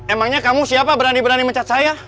emangnya kamu siapa berani berani mecat saya